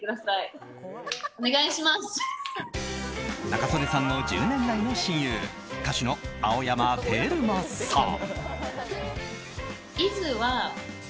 仲宗根さんの１０年来の親友歌手の青山テルマさん。